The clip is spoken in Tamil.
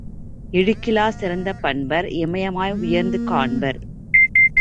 இழுக்கிலாச் சிறந்த பண்பர் இமயமாய் உயர்ந்து காண்பர்.